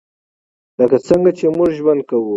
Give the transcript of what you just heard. لکه څنګه چې موږ ژوند کوو .